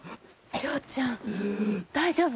遼ちゃん大丈夫？